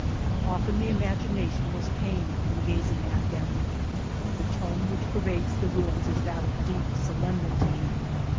Often the imagination was pained in gaziiig at them. The tone which pervades the ruins is that of deep solemnity.